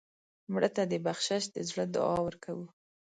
مړه ته د بخشش د زړه دعا ورکوو